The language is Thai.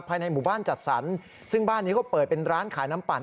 ภายในหมู่บ้านจัดสรรซึ่งบ้านนี้เขาเปิดเป็นร้านขายน้ำปั่น